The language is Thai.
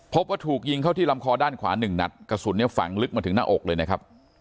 พบว่าถูกยิงเข้าที่ลำคอด้านขวาหนึ่งนัดกระสุนเนี่ยฝังลึกมาถึงหน้าอกเลยนะครับ